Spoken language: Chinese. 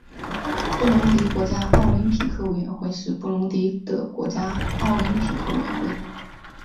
布隆迪国家奥林匹克委员会是布隆迪的国家奥林匹克委员会。